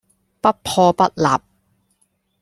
不破不立